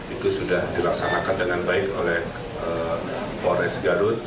itu sudah dilaksanakan dengan baik oleh polres garut